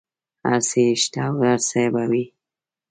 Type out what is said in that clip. هر څه یې شته او هر څه به وي.